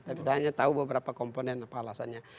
tapi saya hanya tahu beberapa komponen apa alasannya